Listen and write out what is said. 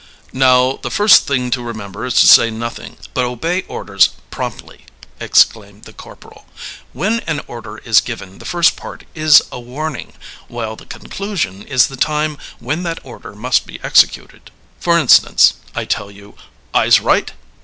"Now the first thing to remember is to say nothing, but obey orders promptly," exclaimed the corporal. "When an order is given the first part is a warning, while the conclusion is the time when that order must be executed. For, instance, I tell you 'Eyes right!'